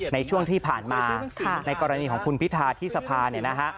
ในช่วงที่ผ่านมาในกรณีของคุณพิธาที่สะพาน